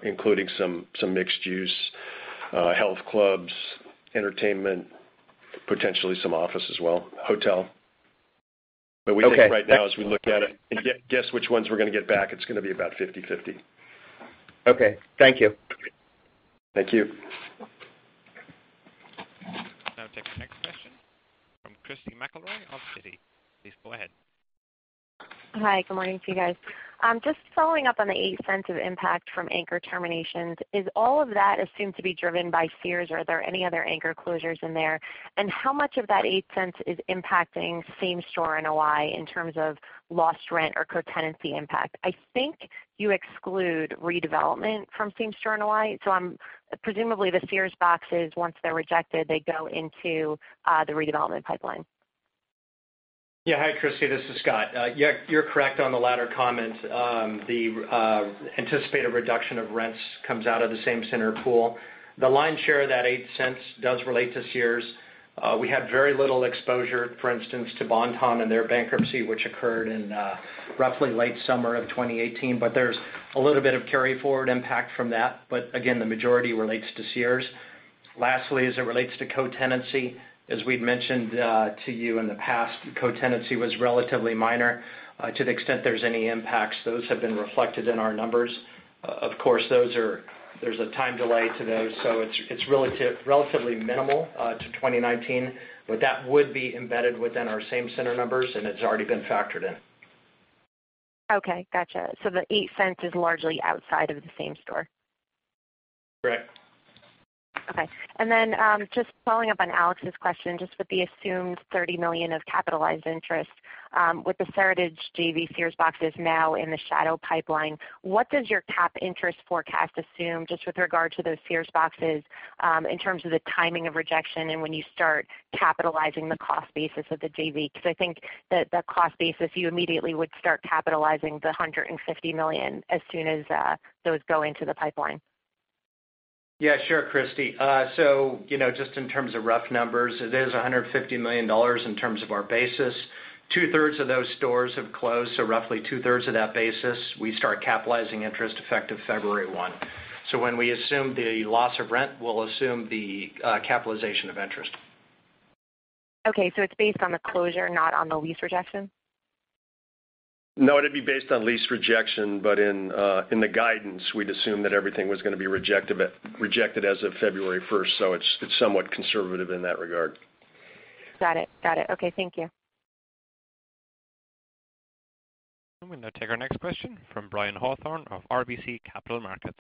including some mixed use, health clubs, entertainment, potentially some office as well, hotel. We think right now, as we look at it and guess which ones we're going to get back, it's going to be about 50/50. Okay. Thank you. Thank you. We take the next question from Christy McElroy of Citi. Please go ahead. Hi, good morning to you guys. Just following up on the $0.08 of impact from anchor terminations. Is all of that assumed to be driven by Sears, or are there any other anchor closures in there? How much of that $0.08 is impacting same-store NOI in terms of lost rent or co-tenancy impact? I think you exclude redevelopment from same-store NOI, so presumably the Sears boxes, once they're rejected, they go into the redevelopment pipeline. Yeah. Hi, Christy. This is Scott. Yeah, you're correct on the latter comment. The anticipated reduction of rents comes out of the same center pool. The lion's share of that $0.08 does relate to Sears. We had very little exposure, for instance, to Bon-Ton and their bankruptcy, which occurred in roughly late summer of 2018, but there's a little bit of carry forward impact from that. Again, the majority relates to Sears. Lastly, as it relates to co-tenancy, as we've mentioned to you in the past, co-tenancy was relatively minor. To the extent there's any impacts, those have been reflected in our numbers. Of course, there's a time delay to those, so it's relatively minimal to 2019, but that would be embedded within our same center numbers, and it's already been factored in. Okay, got you. The $0.08 is largely outside of the same store? Correct. Okay. Just following up on Alex's question, just with the assumed $30 million of capitalized interest with the Seritage JV Sears boxes now in the shadow pipeline, what does your cap interest forecast assume just with regard to those Sears boxes in terms of the timing of rejection and when you start capitalizing the cost basis of the JV? I think that the cost basis, you immediately would start capitalizing the $150 million as soon as those go into the pipeline. Yeah, sure, Christy. Just in terms of rough numbers, it is $150 million in terms of our basis. Two-thirds of those stores have closed, roughly two-thirds of that basis, we start capitalizing interest effective February 1. When we assume the loss of rent, we'll assume the capitalization of interest. Okay, it's based on the closure, not on the lease rejection? No, it'd be based on lease rejection. In the guidance, we'd assume that everything was going to be rejected as of February 1st. It's somewhat conservative in that regard. Got it. Okay, thank you. We'll now take our next question from Brian Hawthorne of RBC Capital Markets.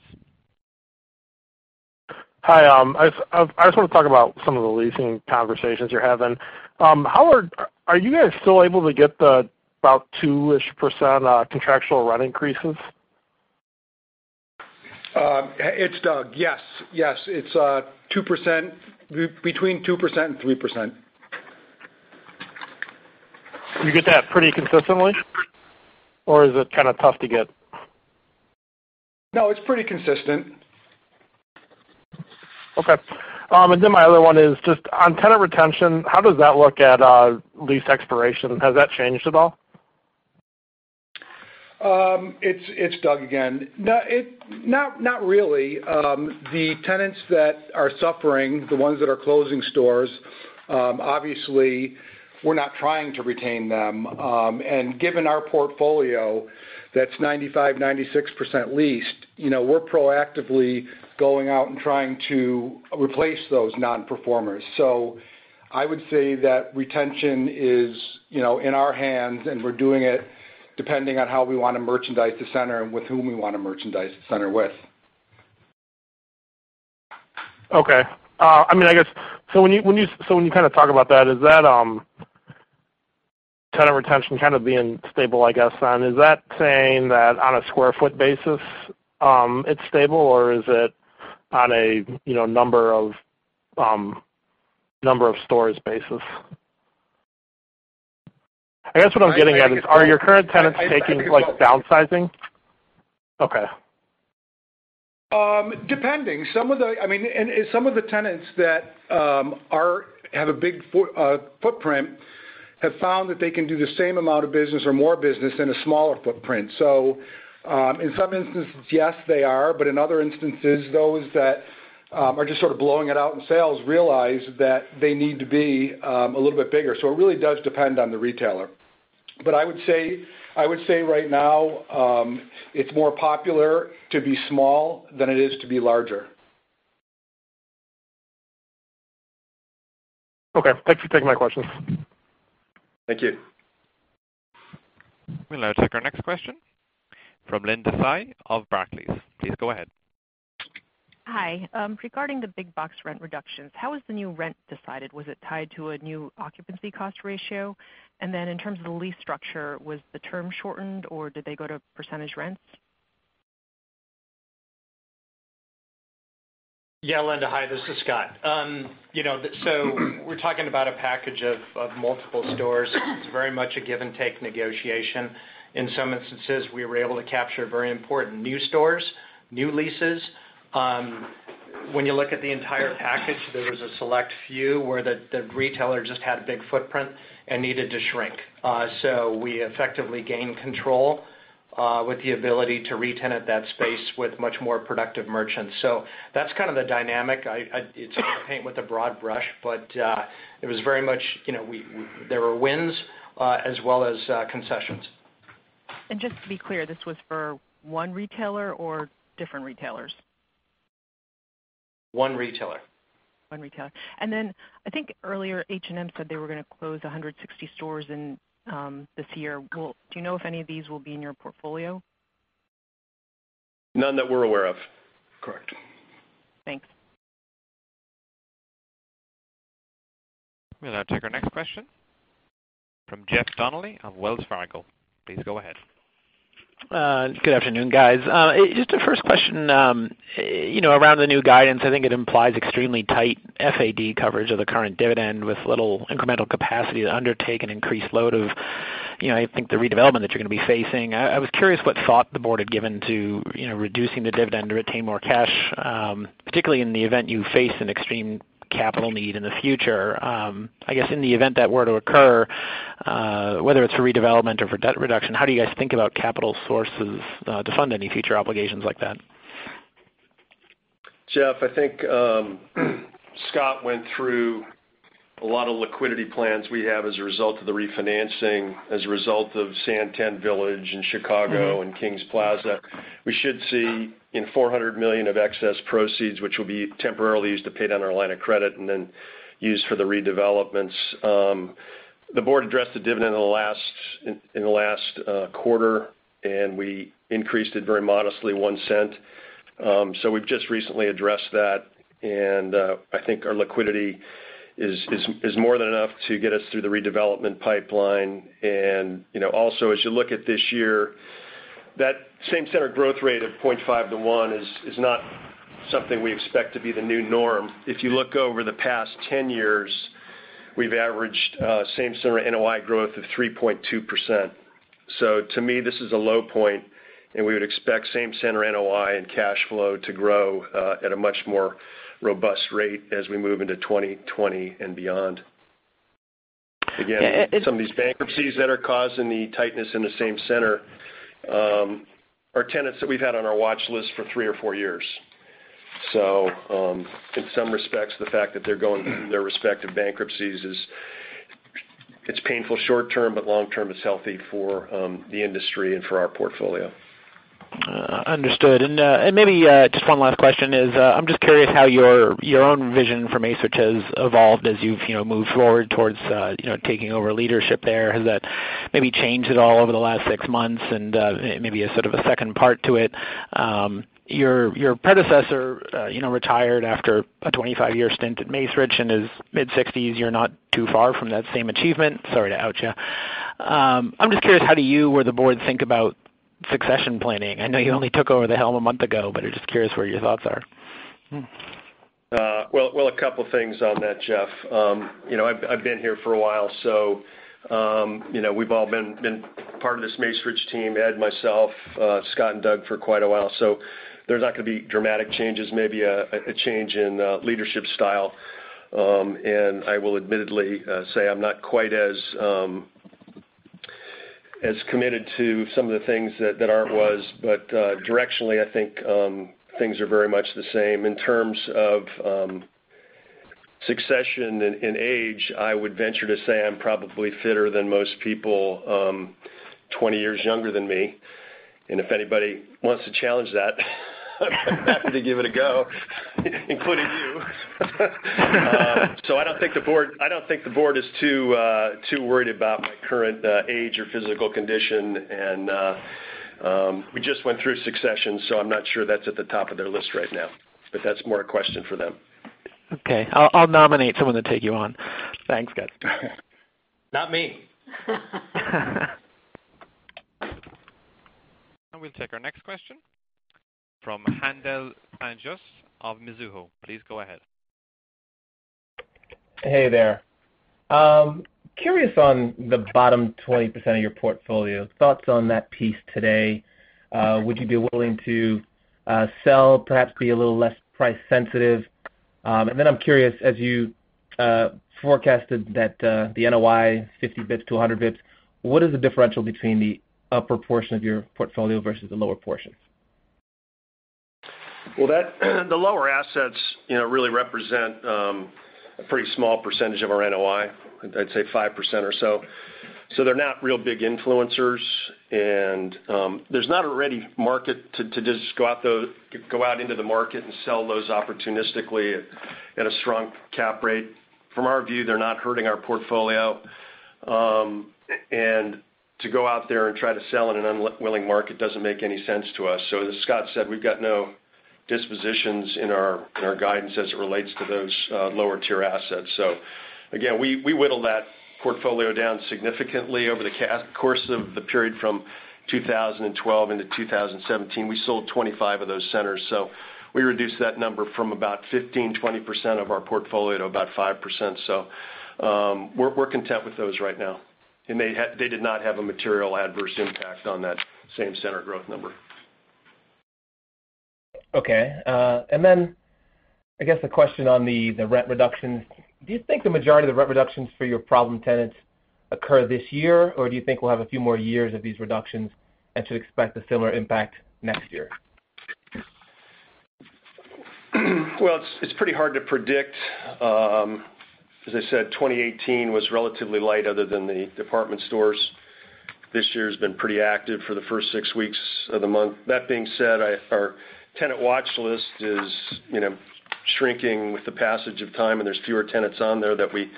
Hi. I just want to talk about some of the leasing conversations you're having. Are you guys still able to get the about 2-ish% contractual rent increases? It's Doug. Yes. It's between 2% and 3%. Do you get that pretty consistently, or is it kind of tough to get? No, it's pretty consistent. Okay. My other one is just on tenant retention, how does that look at lease expiration? Has that changed at all? It's Doug again. Not really. The tenants that are suffering, the ones that are closing stores, obviously, we're not trying to retain them. Given our portfolio, that's 95%-96% leased. We're proactively going out and trying to replace those non-performers. I would say that retention is in our hands, and we're doing it depending on how we want to merchandise the center and with whom we want to merchandise the center with. Okay. When you kind of talk about that, is that tenant retention kind of being stable, I guess then, is that saying that on a square foot basis, it's stable, or is it on a number of stores basis? I guess what I'm getting at is, are your current tenants taking, like, downsizing? Okay. Depending. Some of the tenants that have a big footprint have found that they can do the same amount of business or more business in a smaller footprint. In some instances, yes, they are. In other instances, those that are just sort of blowing it out in sales realize that they need to be a little bit bigger. It really does depend on the retailer. I would say right now, it's more popular to be small than it is to be larger. Okay. Thanks for taking my questions. Thank you. We'll now take our next question from Linda Tsai of Barclays. Please go ahead. Hi. Regarding the big box rent reductions, how was the new rent decided? Was it tied to a new occupancy cost ratio? Then in terms of the lease structure, was the term shortened, or did they go to percentage rents? Yeah, Linda. Hi, this is Scott. We're talking about a package of multiple stores. It's very much a give and take negotiation. In some instances, we were able to capture very important new stores, new leases. When you look at the entire package, there was a select few where the retailer just had a big footprint and needed to shrink. We effectively gained control with the ability to re-tenant that space with much more productive merchants. That's kind of the dynamic. It's paint with a broad brush, but it was very much, there were wins, as well as concessions. Just to be clear, this was for one retailer or different retailers? One retailer. One retailer. I think earlier H&M said they were going to close 160 stores this year. Do you know if any of these will be in your portfolio? None that we're aware of. Correct. Thanks. We'll now take our next question from Jeff Donnelly of Wells Fargo. Please go ahead. Good afternoon, guys. Just a first question. Around the new guidance, I think it implies extremely tight FAD coverage of the current dividend with little incremental capacity to undertake an increased load of, I think, the redevelopment that you're going to be facing. I was curious what thought the board had given to reducing the dividend to retain more cash, particularly in the event you face an extreme capital need in the future. I guess in the event that were to occur, whether it's a redevelopment or for debt reduction, how do you guys think about capital sources to fund any future obligations like that? Jeff, I think Scott went through a lot of liquidity plans we have as a result of the refinancing, as a result of SanTan Village in Chicago and Kings Plaza. We should see in $400 million of excess proceeds, which will be temporarily used to pay down our line of credit then used for the redevelopments. The board addressed the dividend in the last quarter, and we increased it very modestly, $0.01. We've just recently addressed that, and I think our liquidity is more than enough to get us through the redevelopment pipeline. Also, as you look at this year, that same center growth rate of 0.5%-1% is not something we expect to be the new norm. If you look over the past 10 years, we've averaged same center NOI growth of 3.2%. To me, this is a low point, and we would expect same center NOI and cash flow to grow at a much more robust rate as we move into 2020 and beyond. Yeah. Some of these bankruptcies that are causing the tightness in the same center are tenants that we've had on our watch list for three or four years. In some respects, the fact that they're going their respective bankruptcies, it's painful short term, but long term, it's healthy for the industry and for our portfolio. Understood. Maybe just one last question is, I'm just curious how your own vision for Macerich has evolved as you've moved forward towards taking over leadership there. Has that maybe changed at all over the last six months? Maybe as sort of a second part to it, your predecessor retired after a 25-year stint at Macerich. In his mid-60s, you're not too far from that same achievement. Sorry to out you. I'm just curious, how do you or the board think about succession planning? I know you only took over the helm a month ago, but I'm just curious where your thoughts are. Well, a couple of things on that, Jeff. I've been here for a while, we've all been part of this Macerich team, Ed, myself, Scott, and Doug, for quite a while. There's not going to be dramatic changes. Maybe a change in leadership style. I will admittedly say I'm not quite as committed to some of the things that Art was. Directionally, I think things are very much the same. In terms of succession in age, I would venture to say I'm probably fitter than most people 20 years younger than me. If anybody wants to challenge that I'm happy to give it a go, including you. I don't think the board is too worried about my current age or physical condition. We just went through succession, I'm not sure that's at the top of their list right now. That's more a question for them. Okay. I'll nominate someone to take you on. Thanks, guys. Not me. We'll take our next question from Haendel St. Juste of Mizuho. Please go ahead. Hey there. Curious on the bottom 20% of your portfolio. Thoughts on that piece today. Would you be willing to sell, perhaps be a little less price sensitive? I'm curious, as you forecasted that the NOI 50 basis points to 100 basis points, what is the differential between the upper portion of your portfolio versus the lower portion? Well, the lower assets really represent a pretty small percentage of our NOI. I'd say 5% or so. They're not real big influencers. There's not a ready market to just go out into the market and sell those opportunistically at a shrunk cap rate. From our view, they're not hurting our portfolio. To go out there and try to sell in an unwilling market doesn't make any sense to us. As Scott said, we've got no dispositions in our guidance as it relates to those lower tier assets. Again, we whittled that portfolio down significantly over the course of the period from 2012 into 2017. We sold 25 of those centers. We reduced that number from about 15, 20% of our portfolio to about 5%. We're content with those right now. They did not have a material adverse impact on that same center growth number. Okay. I guess a question on the rent reductions. Do you think the majority of the rent reductions for your problem tenants occur this year, or do you think we'll have a few more years of these reductions and to expect a similar impact next year? Well, it's pretty hard to predict. As I said, 2018 was relatively light other than the department stores. This year's been pretty active for the first six weeks of the month. That being said, our tenant watch list is shrinking with the passage of time, and there's fewer tenants on there that we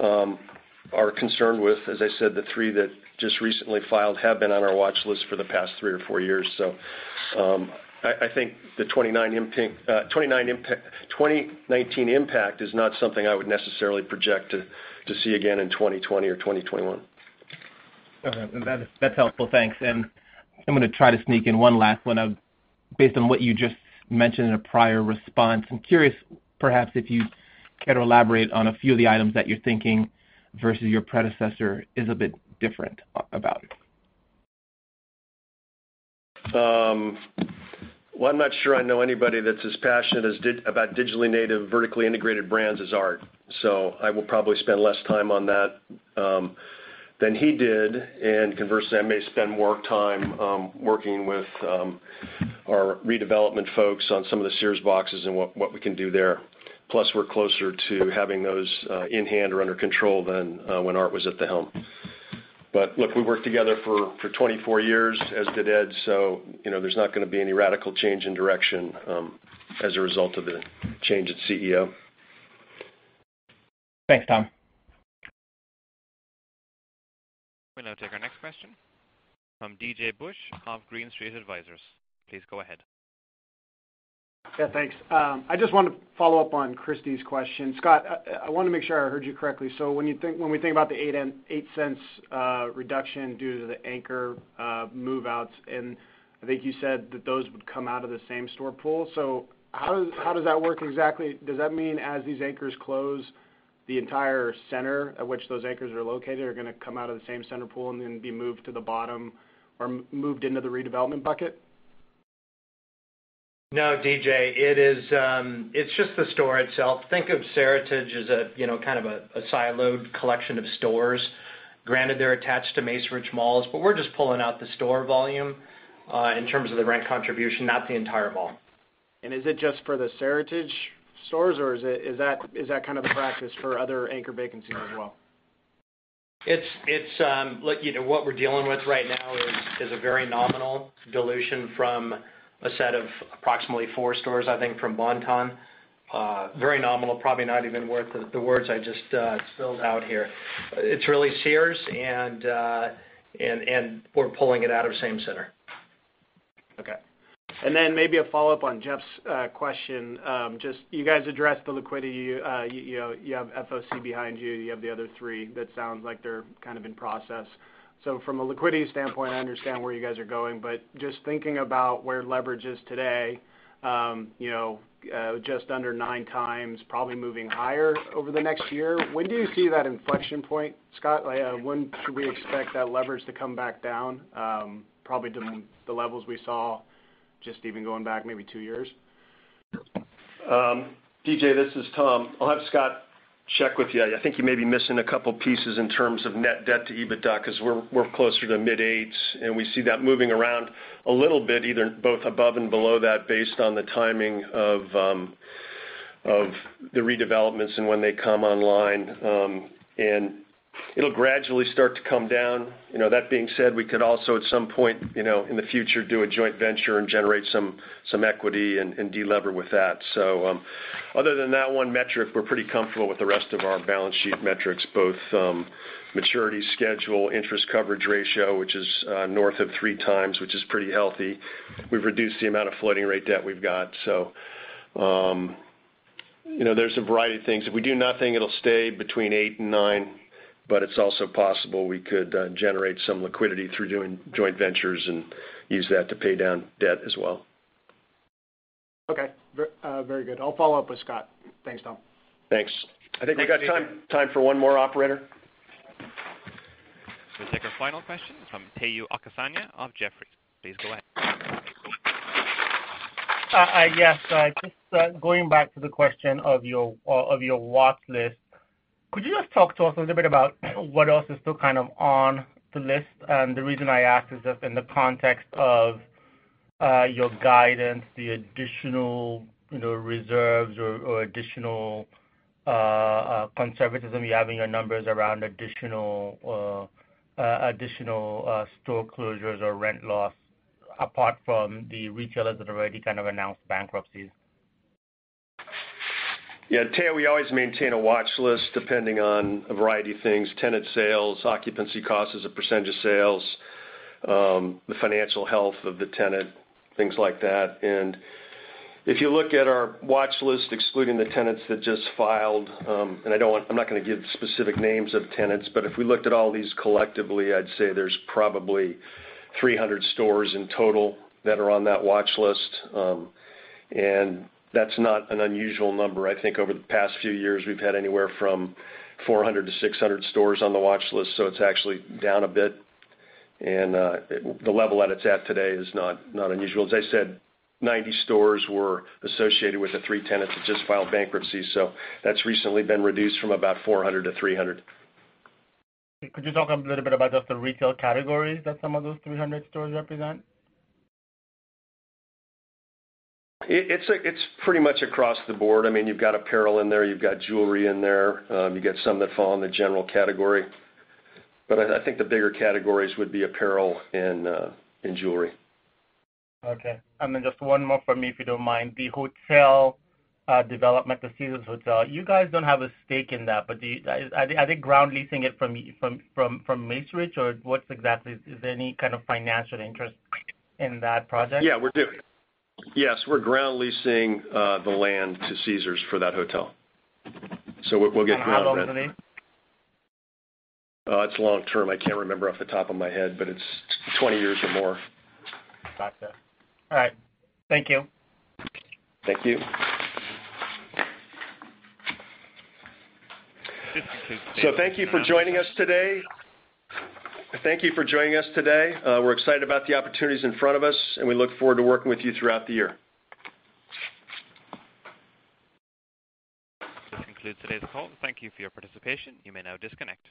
are concerned with. As I said, the three that just recently filed have been on our watch list for the past three or four years. I think the 2019 impact is not something I would necessarily project to see again in 2020 or 2021. Okay. That's helpful. Thanks. I'm going to try to sneak in one last one. Based on what you just mentioned in a prior response, I'm curious, perhaps, if you care to elaborate on a few of the items that you're thinking versus your predecessor is a bit different about. Well, I'm not sure I know anybody that's as passionate about digitally native, vertically integrated brands as Art, so I will probably spend less time on that than he did. Conversely, I may spend more time working with our redevelopment folks on some of the Sears boxes and what we can do there. Plus, we're closer to having those in-hand or under control than when Art was at the helm. Look, we worked together for 24 years, as did Ed, so there's not going to be any radical change in direction as a result of the change in CEO. Thanks, Tom. We'll now take our next question from DJ Busch of Green Street Advisors. Please go ahead. Thanks. I just want to follow up on Christy's question. Scott, I want to make sure I heard you correctly. When we think about the $0.08 reduction due to the anchor move-outs, I think you said that those would come out of the same store pool. How does that work exactly? Does that mean as these anchors close, the entire center at which those anchors are located are going to come out of the same center pool and then be moved to the bottom or moved into the redevelopment bucket? DJ. It's just the store itself. Think of Seritage as a kind of a siloed collection of stores. Granted, they're attached to Macerich malls, but we're just pulling out the store volume in terms of the rent contribution, not the entire mall. Is it just for the Seritage stores, or is that kind of the practice for other anchor vacancies as well? What we're dealing with right now is a very nominal dilution from a set of approximately four stores, I think, from Bon-Ton. Very nominal, probably not even worth the words I just spilled out here. It's really Sears, and we're pulling it out of same center. Okay. Maybe a follow-up on Jeff's question. You guys addressed the liquidity. You have FOC behind you have the other three that sound like they're kind of in process. From a liquidity standpoint, I understand where you guys are going, but just thinking about where leverage is today, just under nine times, probably moving higher over the next year. When do you see that inflection point, Scott? When should we expect that leverage to come back down, probably to the levels we saw just even going back maybe two years? DJ, this is Tom. I'll have Scott check with you. I think you may be missing a couple pieces in terms of net debt to EBITDA, because we're closer to mid eights, and we see that moving around a little bit, either both above and below that based on the timing of the redevelopments and when they come online. It'll gradually start to come down. That being said, we could also at some point in the future do a joint venture and generate some equity and de-lever with that. Other than that one metric, we're pretty comfortable with the rest of our balance sheet metrics, both maturity schedule, interest coverage ratio, which is north of three times, which is pretty healthy. We've reduced the amount of floating rate debt we've got. There's a variety of things. If we do nothing, it'll stay between eight and nine, it's also possible we could generate some liquidity through doing joint ventures and use that to pay down debt as well. Okay. Very good. I'll follow up with Scott. Thanks, Tom. Thanks. I think we've got time for one more, operator. We'll take our final question from Tayo Okusanya of Jefferies. Please go ahead. Yes. Just going back to the question of your watch list. Could you just talk to us a little bit about what else is still kind of on the list? The reason I ask is just in the context of your guidance, the additional reserves or additional conservatism you have in your numbers around additional store closures or rent loss, apart from the retailers that have already kind of announced bankruptcies. Yeah, Tayo, we always maintain a watch list depending on a variety of things, tenant sales, occupancy cost as a percentage of sales, the financial health of the tenant, things like that. If you look at our watch list, excluding the tenants that just filed, and I'm not going to give specific names of tenants, but if we looked at all these collectively, I'd say there's probably 300 stores in total that are on that watch list. That's not an unusual number. I think over the past few years, we've had anywhere from 400-600 stores on the watch list, so it's actually down a bit. The level that it's at today is not unusual. As I said, 90 stores were associated with the three tenants that just filed bankruptcy. That's recently been reduced from about 400-300. Could you talk a little bit about just the retail categories that some of those 300 stores represent? It's pretty much across the board. I mean, you've got apparel in there, you've got jewelry in there. You got some that fall in the general category. I think the bigger categories would be apparel and jewelry. Okay. Then just one more from me, if you don't mind. The hotel development, the Caesars Republic, you guys don't have a stake in that, but are they ground leasing it from Macerich, is there any kind of financial interest in that project? Yeah, we do. Yes, we're ground leasing the land to Caesars for that hotel. We'll get ground rent. How long is the lease? It's long-term. I can't remember off the top of my head, but it's 20 years or more. Gotcha. All right. Thank you. Thank you. Thank you for joining us today. We're excited about the opportunities in front of us, and we look forward to working with you throughout the year. This concludes today's call. Thank you for your participation. You may now disconnect.